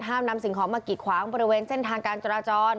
นำสิ่งของมากิดขวางบริเวณเส้นทางการจราจร